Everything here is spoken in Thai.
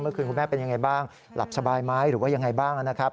เมื่อคืนคุณแม่เป็นอย่างไรบ้างหลับสบายไหมหรือว่าอย่างไรบ้างนะครับ